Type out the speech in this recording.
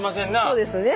そうですよね。